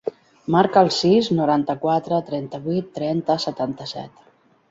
Marca el sis, noranta-quatre, trenta-vuit, trenta, setanta-set.